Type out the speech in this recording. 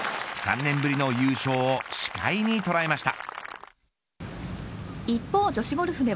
３年ぶりの優勝を視界に捉えました。